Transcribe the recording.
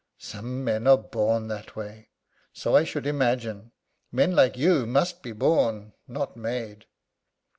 "Some men are born that way." "So I should imagine. Men like you must be born, not made."